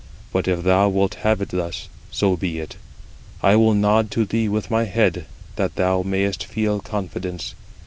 But if [thou wilt have it thus], so be it; I will nod to thee with my head, that thou mayest feel confidence.